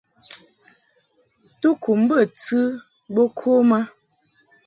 Tukum bə tɨ bo kom a .